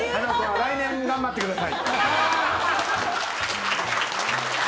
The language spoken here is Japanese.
来年も頑張ってください。